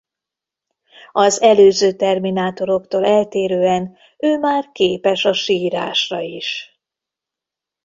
Az előző terminátoroktól eltérően ő már képes a sírásra is.